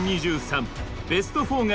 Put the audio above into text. ベスト４が決定。